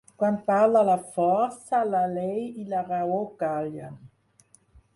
Quan parla la força, la llei i la raó callen.